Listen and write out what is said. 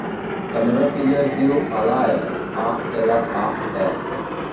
La meva filla es diu Alae: a, ela, a, e.